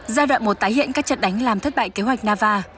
giai đoạn một tái hiện các trận đánh làm thất bại kế hoạch nava